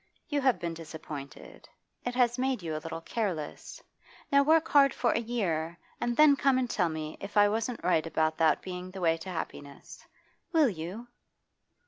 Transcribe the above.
You have been disappointed; it has made you a little careless. Now work hard for a year and then come and tell me if I wasn't right about that being the way to happiness. Will you?